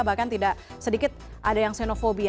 bahkan tidak sedikit ada yang senofobia